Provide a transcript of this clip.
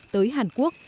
tới hàn quốc